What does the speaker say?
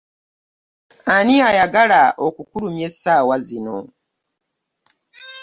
Ani ayagala okukulumya esaawa zino?